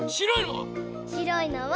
しろいのは？